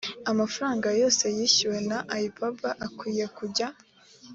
amafaranga yose yishyuwe na ipb akwiye kujya